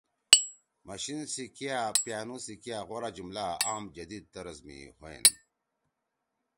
مشین سی کیا پیانُو سی کیا غورا جملہ عام جدید طرز می ہُوئین۔